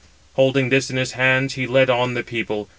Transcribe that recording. Holding this in his hands, he led on the people.